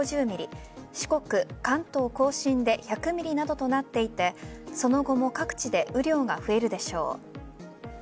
四国、関東甲信で１００ｍｍなどとなっていてその後も各地で雨量が増えるでしょう。